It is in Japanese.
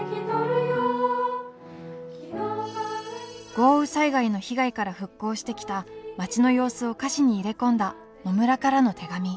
豪雨災害の被害から復興してきた町の様子を歌詞に入れ込んだ「のむらからの手紙」。